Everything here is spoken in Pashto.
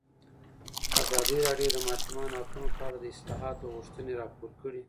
ازادي راډیو د د ماشومانو حقونه په اړه د اصلاحاتو غوښتنې راپور کړې.